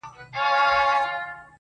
مسافرو وو خپل مرګ داسي هېر کړی -